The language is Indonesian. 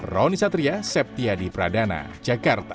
raunisatria septiadi pradana jakarta